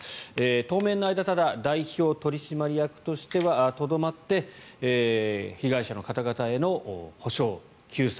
当面の間代表取締役としてはとどまって被害者の方々への補償・救済